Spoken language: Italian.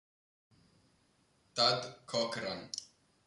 Thad Cochran